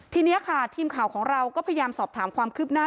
ทีนี้ค่ะทีมข่าวของเราก็พยายามสอบถามความคืบหน้า